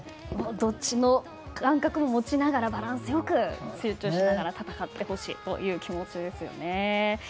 どっちの心も持ちながらバランスよく集中して戦ってほしいという気持ちですね。